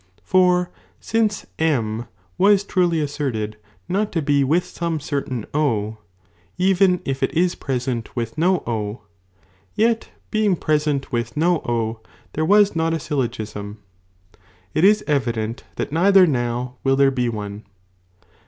for since M was truly asserted not to be with aome certaii even if it is present with no O ; yet being present with n' there was not a syllogism, it is evident, that neither now will there be one.